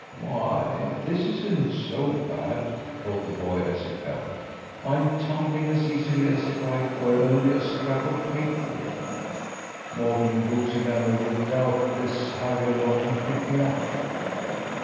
"Why, this isn't so bad!" thought the boy as he fell. "I'm tumbling as easily as if I were only a scrap of paper. Morten Goosey Gander will doubtless hurry along and pick me up."